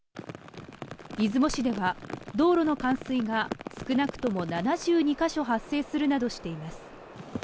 出雲市では、道路の冠水が少なくとも７２か所発生するなどしています。